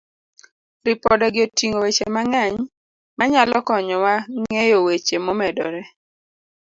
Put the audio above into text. Ripodegi oting'o weche mang'eny manyalo konyowa ng'eyo weche momedore.